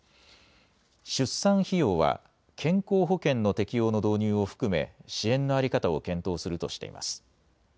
出産費用は、健康保険の適用の導入を含め、支援の在り方を検討するとしています。